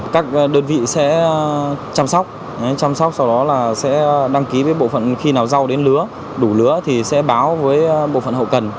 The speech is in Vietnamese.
các đơn vị sẽ chăm sóc chăm sóc sau đó là sẽ đăng ký với bộ phận khi nào rau đến lứa đủ lứa thì sẽ báo với bộ phận hậu cần